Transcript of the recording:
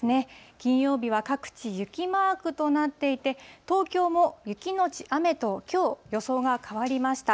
金曜日は各地、雪マークとなっていて、東京も雪後雨と、きょう予想が変わりました。